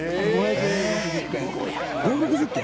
５６０軒！？